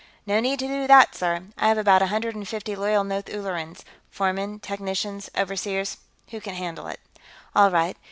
"No need to do that, sir; I have about a hundred and fifty loyal North Ullerans foremen, technicians, overseers who can handle it." "All right.